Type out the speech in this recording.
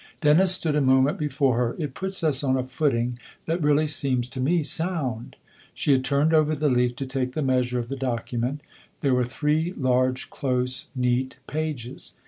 Dennis stood a moment before her. " It puts us on a footing that really seems to me sound." She had turned over the leaf to take the measure of the document ; there were three, large, close, neat pages.